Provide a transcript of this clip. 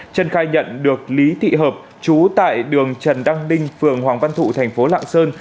trân khai nhận được lý thị hợp chú tại đường trần đăng ninh phường hoàng văn thụ thành phố lạng sơn